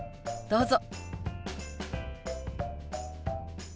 どうぞ。